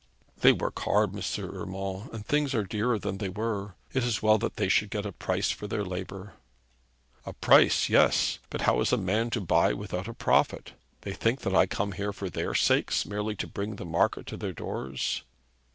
'They work hard, M. Urmand, and things are dearer than they were. It is well that they should get a price for their labour.' 'A price, yes: but how is a man to buy without a profit? They think that I come here for their sakes, merely to bring the market to their doors.'